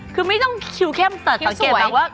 คือไม่ต้องคิวเข้มแต่สังเกตนะว่า